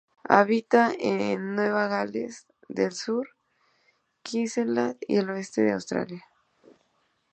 Habita en Nueva Gales del Sur, Queensland, y el oeste de Australia.